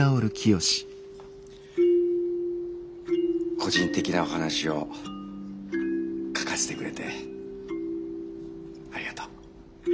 個人的なお話を書かせてくれてありがとう。